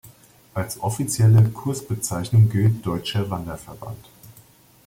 Als offizielle Kurzbezeichnung gilt "Deutscher Wanderverband".